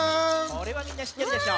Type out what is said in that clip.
これはみんなしってるでしょ。